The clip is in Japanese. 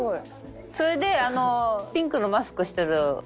それであのピンクのマスクしてる。